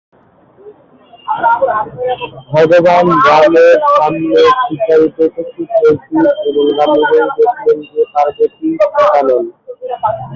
ভগবান রামের সামনে সীতা রূপে উপস্থিত হয়ে শিব এবং রাম উভয়েই দেখলেন যে পার্বতী সীতা নন।